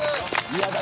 嫌だ。